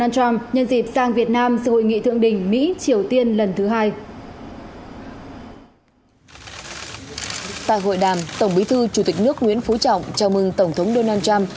tại hội đàm tổng bí thư chủ tịch nước nguyễn phú trọng chào mừng tổng thống donald trump